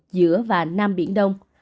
giữa và nam biển đông